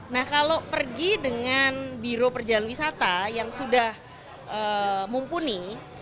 nah kalau pergi dengan biro perjalanan wisata yang sudah mumpuni